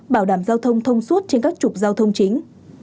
bảo đảm giao thông thông suốt trên các trục giao thông chính